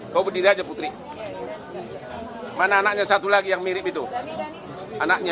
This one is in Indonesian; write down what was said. kau berdiri aja putri mana anaknya satu lagi yang mirip itu anaknya